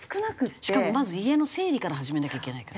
しかもまず家の整理から始めなきゃいけないから。